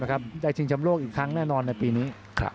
ชิงชำโลกอีกครั้งแน่นอนในปีนี้